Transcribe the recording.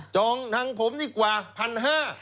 จองทางผมดีกว่า๑๕๐๐บาท